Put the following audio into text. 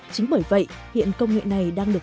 chính bởi vậy hiện công nghệ này đang được